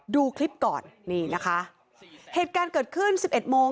ดูคลิปก่อนนี่นะคะเหตุการณ์เกิดขึ้นสิบเอ็ดโมง